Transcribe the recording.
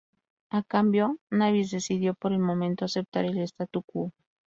A cambio, Nabis decidió por el momento aceptar el "statu quo".